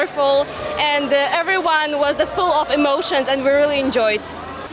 semuanya penuh emosi dan kami sangat menikmatinya